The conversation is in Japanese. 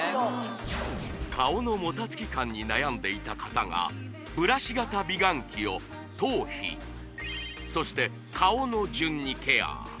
顔のもたつき感に悩んでいた方がブラシ型美顔器を頭皮そして顔の順にケア